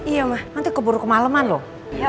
iya mbak nanti keburu kemaleman loh